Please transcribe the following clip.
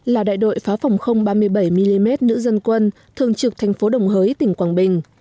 là đại đội pháo phòng ba mươi bảy mm nữ dân quân thường trực tp đồng hới tỉnh quảng bình